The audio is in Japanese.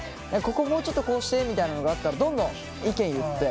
ここもうちょっとこうしてみたいなのがあったらどんどん意見言って。